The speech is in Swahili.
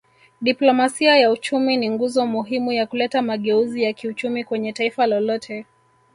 Diplomasia ya uchumi ni nguzo muhimu ya kuleta mageuzi ya kiuchumi kwenye Taifa lolote